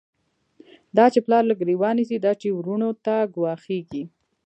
دا چی پلار له گریوان نیسی، دا چی وروڼو ته گوا ښیږی